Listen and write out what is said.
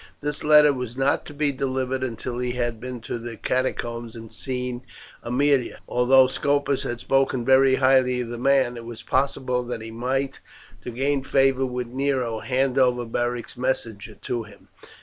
This letter was not to be delivered until he had been to the catacombs and seen Aemilia; as, although Scopus had spoken very highly of the man, it was possible that he might, to gain favour with Nero, hand over Beric's messenger to him.